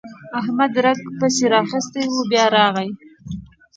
احمد رګه پسې راخيستې وه؛ بيا راغی.